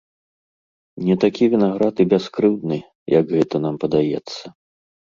Не такі вінаград і бяскрыўдны, як гэта нам падаецца.